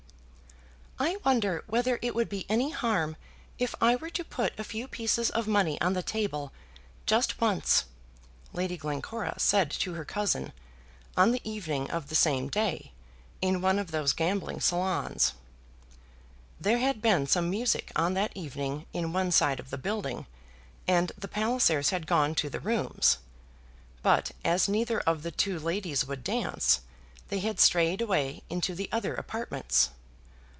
"I wonder whether it would be any harm if I were to put a few pieces of money on the table, just once?" Lady Glencora said to her cousin, on the evening of the same day, in one of those gambling salons. There had been some music on that evening in one side of the building, and the Pallisers had gone to the rooms. But as neither of the two ladies would dance, they had strayed away into the other apartments.